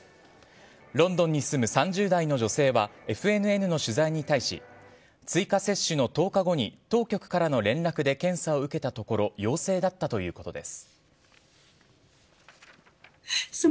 ロンドンに住む３０代の女性はＦＮＮの取材に対し追加接種の１０日後に当局からの連絡で検査を受けたところ陽性だったということです。